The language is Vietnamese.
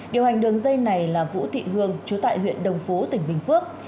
điều hành đường dây này là vũ thị hương chú tại huyện đồng phú tỉnh bình phước